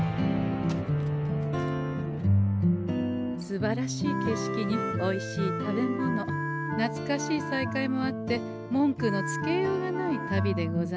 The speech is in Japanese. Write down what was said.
すばらしい景色においしい食べ物なつかしい再会もあって文句のつけようがない旅でござんしたね。